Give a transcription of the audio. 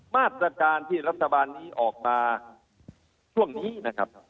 มาตรการที่รัฐบาลนี้ออกมาช่วงนี้นะครับ